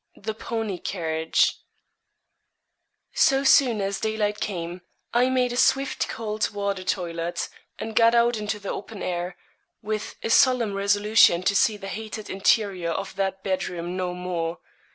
THE PONY CARRIAGE So soon as daylight came, I made a swift cold water toilet, and got out into the open air, with a solemn resolution to see the hated interior of that bed room no more.